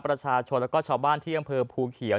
ประชาชนและก็ชาวบ้านที่ด่างเพิงภูเขียว